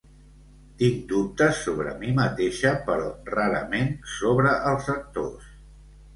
Tinc dubtes sobre mi mateixa però rarament sobre els actors.